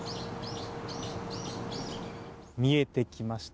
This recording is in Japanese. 見えてきました。